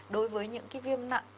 đối với những cái viêm nặng